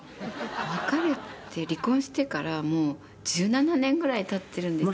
別れて離婚してからもう１７年ぐらい経ってるんですよ。